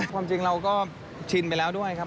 ความจริงเราก็ชินไปแล้วด้วยครับ